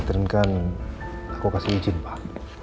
trend kan aku kasih izin pak